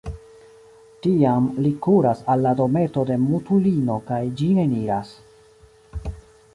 Tiam li kuras al la dometo de la mutulino kaj ĝin eniras.